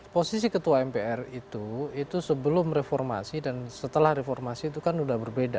posisi ketua mpr itu itu sebelum reformasi dan setelah reformasi itu kan sudah berbeda